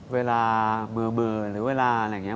เวลาเบอร์หรือเวลาอะไรอย่างนี้